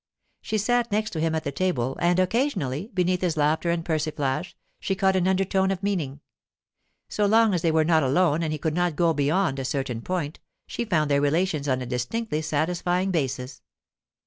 She sat next to him at the table, and occasionally, beneath his laughter and persiflage, she caught an undertone of meaning. So long as they were not alone and he could not go beyond a certain point, she found their relations on a distinctly satisfying basis.